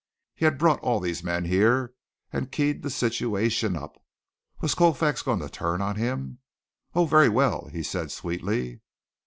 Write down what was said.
He had brought all these men here and keyed the situation up. Was Colfax going to turn on him? "Oh, very well," he said sweetly.